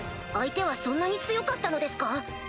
相手はそんなに強かったのですか？